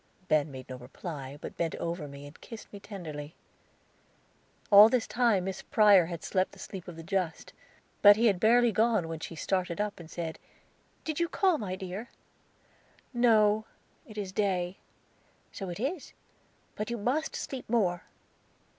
Ben made no reply, but bent over me and kissed me tenderly. All this time Miss Prior had slept the sleep of the just; but he had barely gone when she started up and said, "Did you call, my dear?" "No, it is day." "So it is; but you must sleep more."